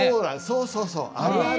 そうそうそう！